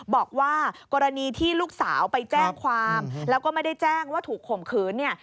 บอกว่ากรณีที่ลูกสาวไปแจ้งความแล้วก็ไม่ได้แจ้งว่าถูกข่มขืนเนี่ย